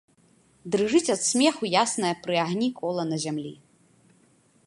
Дрыжыць ад смеху яснае пры агні кола на зямлі.